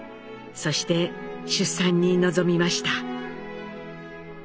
そして出産に臨みました。